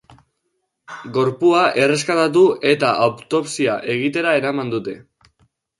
Gorpua erreskatatu eta autopsia egitera eraman dute.